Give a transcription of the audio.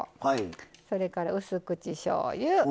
それからうす口しょうゆ。